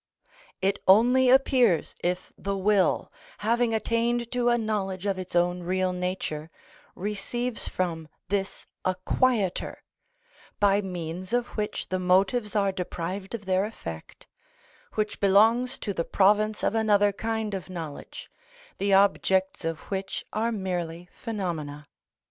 It only appears if the will, having attained to a knowledge of its own real nature, receives from this a quieter, by means of which the motives are deprived of their effect, which belongs to the province of another kind of knowledge, the objects of which are merely phenomena.